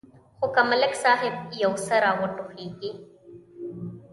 خو که ملک صاحب یو څه را وټوخېږي.